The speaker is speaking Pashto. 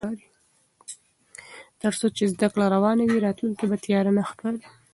تر څو چې زده کړه روانه وي، راتلونکی به تیاره نه ښکاري.